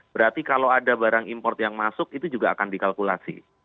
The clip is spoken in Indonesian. berarti kalau ada barang import yang masuk itu juga akan dikalkulasi